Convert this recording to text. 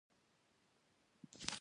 آیا خوارځواکي کنټرول شوې؟